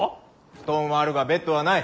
布団はあるがベッドはない。